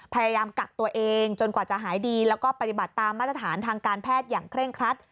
พยายามกักตัวเองจนกว่าจะหายดีแล้วก็ปฏิบัติตามมาตรฐานทางการแพทย์อย่างเคร่งครัด